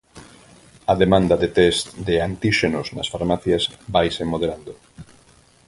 A demanda de tests de antíxenos nas farmacias vaise moderando.